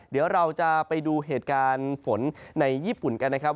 เดี๋ยวเราจะไปดูเหตุการณ์ฝนในญี่ปุ่นกันนะครับ